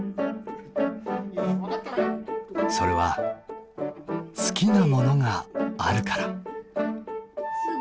それは好きなものがあるから。